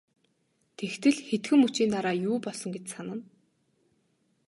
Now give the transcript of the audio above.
Тэгтэл хэдхэн мөчийн дараа юу болсон гэж санана.